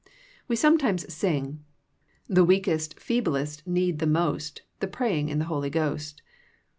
We sometimes sing The weakest, feeblest need the most The praying in the Holy Ghost.